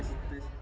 bekasi jawa barat